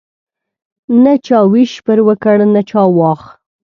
نه چا ویش پر وکړ نه چا واخ.